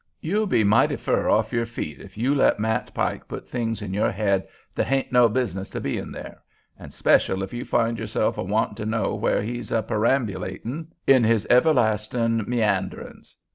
You'll be mighty fur off your feet if you let Matt Pike put things in your head that hain't no business a bein' there, and special if you find yourself a wantin' to know where he's a perambulatin' in his everlastin' meanderin's.